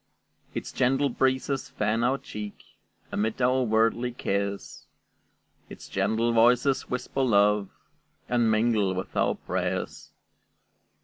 Its gentle breezes fan our cheek; Amid our worldly cares, Its gentle voices whisper love, And mingle with our prayers.